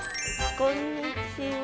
こんにちは。